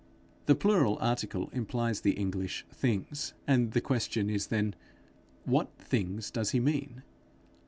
The plural article implies the English things; and the question is then, What things does he mean?